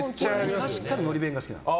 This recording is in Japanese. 昔からのり弁が好きなの。